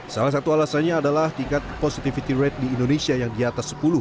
salah satu alasannya adalah tingkat positivity rate di indonesia yang di atas sepuluh